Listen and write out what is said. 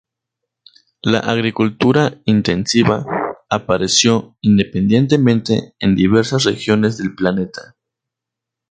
La agricultura intensiva apareció independientemente en diversas regiones del planeta.